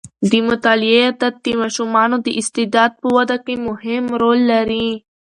د مطالعې عادت د ماشومانو د استعداد په وده کې مهم رول لري.